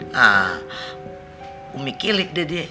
nah umi kilik deh